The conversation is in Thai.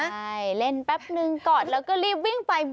ใช่เล่นแป๊บนึงกอดแล้วก็รีบวิ่งไป